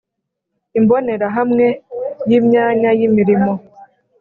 imbonerahamwe y imyanya y imirimo